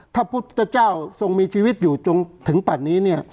พระพุทธเจ้าทรงมีชีวิตอยู่จนถึงปัดนี้เนี่ย